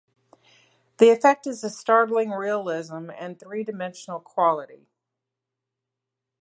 The effect is a startling realism and three-dimensional quality.